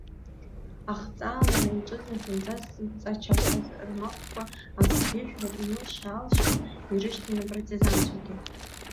Ахҵаалара иаҿыз аҳәынҵәа зҵачаԥоз рмагәықәа, абӷьыжәра инылшь-аалшьуа ирышьҭан апартизанцәагьы.